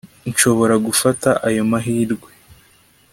nshobora gufata ayo mahirwe